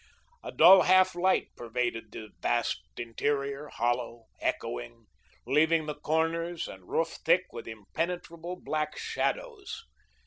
A dull half light pervaded the vast interior, hollow, echoing, leaving the corners and roof thick with impenetrable black shadows.